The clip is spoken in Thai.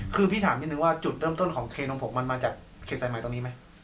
คือพี่ถามนิดนึงว่าจุดเริ่มต้นของเคนมผงมันมาจากเขตสายใหม่ตรงนี้ไหม